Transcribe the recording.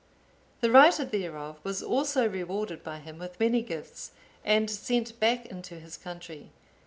(859) The writer thereof was also rewarded by him with many gifts and sent back into his country.